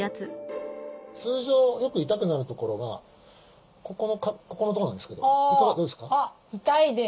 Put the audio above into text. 通常よく痛くなるところがここのとこなんですけどどうですか？